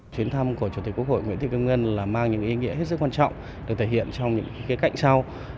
chuyến thăm của chủ tịch quốc hội nguyễn thị kim ngân là mang những ý nghĩa rất quan trọng được thể hiện trong những cạnh sau